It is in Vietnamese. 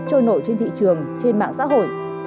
trôi nổi trên thị trường trên mạng xã hội